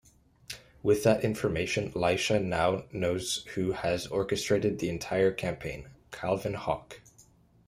With that information, Leisha now knows who has orchestrated the entire campaign: Calvin Hawke.